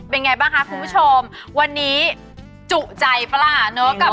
เป็นไงบ้างคะคุณผู้ชมวันนี้จุใจปะล่ะเนอะ